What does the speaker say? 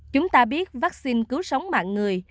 chúng ta biết vaccine cứu sống mạng người